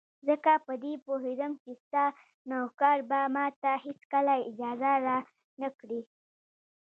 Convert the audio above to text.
ځکه په دې پوهېدم چې ستا نوکر به ماته هېڅکله اجازه را نه کړي.